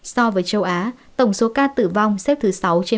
so với châu á tổng số ca tử vong xếp thứ sáu trên bốn mươi chín xếp thứ ba asean